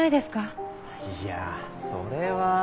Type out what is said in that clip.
いやそれは。